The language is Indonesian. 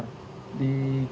di kota jakarta